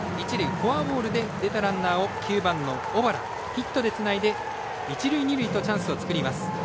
フォアボールで出たランナーを９番、小原、ヒットでつないで一塁二塁とチャンスを作ります。